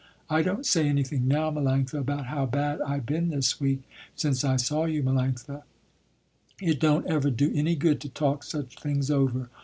I don't say anything now, Melanctha, about how bad I been this week, since I saw you, Melanctha. It don't ever do any good to talk such things over.